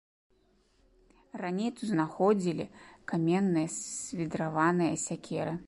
Раней тут знаходзілі каменныя свідраваныя сякеры.